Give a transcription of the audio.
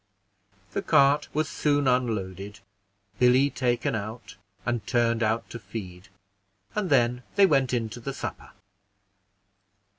The cart was soon unloaded, Billy taken out and turned out to feed, and then they went in to the supper.